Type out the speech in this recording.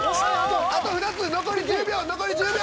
あと２つ残り１０秒残り１０秒。